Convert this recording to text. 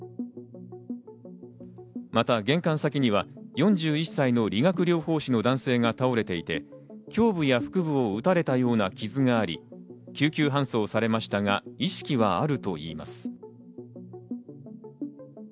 また玄関先には４１歳の理学療法士の男性が倒れていて、胸部や腹部を撃たれたような傷があり、救急搬送されましたが意識はあるといいます。